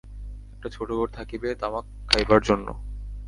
একটা ছোট ঘর থাকিবে তামাক খাইবার জন্য।